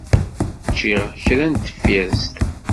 Ččiɣ kra n tfirest.